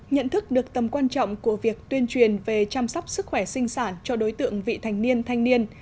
nhận thức được tầm quan trọng của việc tuyên truyền về chăm sóc sức khỏe sinh sản cho đối tượng vị thành niên thanh niên